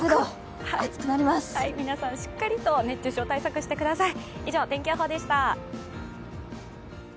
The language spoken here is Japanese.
皆さんしっかりと熱中症対策してください。